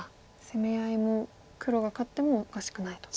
攻め合いも黒が勝ってもおかしくないと。